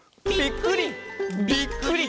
「ぴっくり！